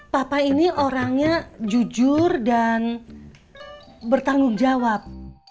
papa ini orangnya jujur dan bertanggung jawab